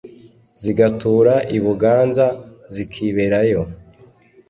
Zigatura i Buganza zikiberayo